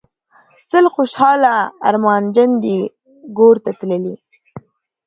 سل خوشحاله ارمانجن دي ګورته تللي